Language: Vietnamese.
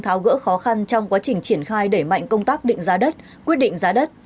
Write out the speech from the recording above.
tháo gỡ khó khăn trong quá trình triển khai đẩy mạnh công tác định giá đất quyết định giá đất